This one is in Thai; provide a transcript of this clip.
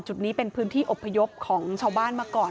จุดนี้เป็นพื้นที่อบพยพของชาวบ้านมาก่อน